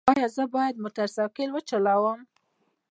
ایا زه باید موټر سایکل وچلوم؟